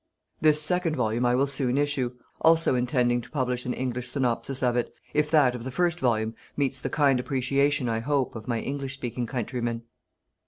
This second volume I will soon issue, also intending to publish an English synopsis of it, if that of the first volume meets the kind appreciation I hope of my English speaking countrymen.